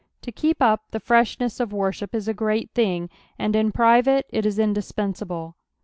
To ketp up the freshness of worship is a great thing, and in private it is indispensable.